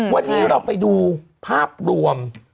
วันนี้เราไปดูภาพรวม